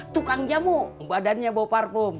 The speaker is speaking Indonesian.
tukang jamu badannya bawa parfum